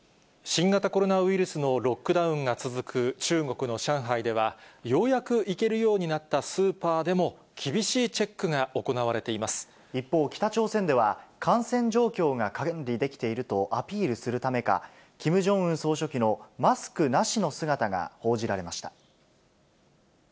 新型コロナウイルスのロックダウンが続く中国の上海では、ようやく行けるようになったスーパーでも、厳しいチェックが行わ一方、北朝鮮では、感染状況が管理できているとアピールするためか、キム・ジョンウン総書記のマスクなしの姿が報じられました。